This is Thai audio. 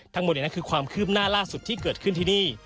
ทั้งหมดนี้คือความคืบหน้าล่าสุดที่เกิดขึ้นที่นี่